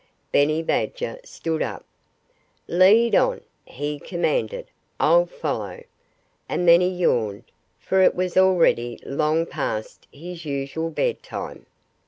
Benny Badger stood up. "Lead on!" he commanded. "I'll follow." And then he yawned for it was already long past his usual bedtime.